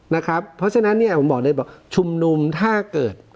เพราะฉะนั้นเนี่ยผมบอกเลยบอกชุมนุมถ้าเกิด